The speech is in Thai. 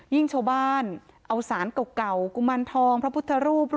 ยิ่งโชว์บ้านเอาสารเก่ากุมันทองพระพุทธรูป